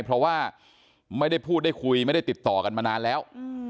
เพราะว่าไม่ได้พูดได้คุยไม่ได้ติดต่อกันมานานแล้ว